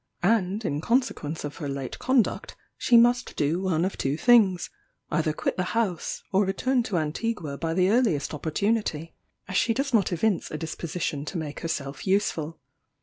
And, in consequence of her late conduct, she must do one of two things either quit the house, or return to Antigua by the earliest opportunity, as she does not evince a disposition to make herself useful.